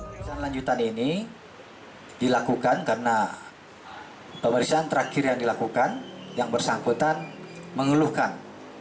pemeriksaan lanjutan ini dilakukan karena pemeriksaan terakhir yang dilakukan yang bersangkutan mengeluhkan